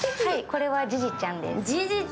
これはジジちゃんです。